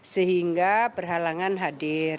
sehingga perhalangan hadir